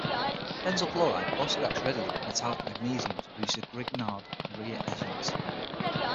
Benzyl chloride also reacts readily with metallic magnesium to produce a Grignard Reagent.